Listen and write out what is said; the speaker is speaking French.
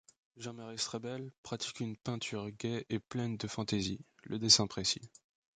Jean-Marie Strebelle pratique une peinture gaie et pleine de fantaisie, le dessin précis.